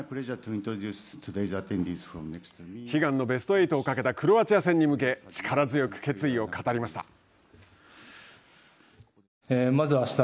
悲願のベスト８をかけたクロアチア戦に向け力強く決意を語りました。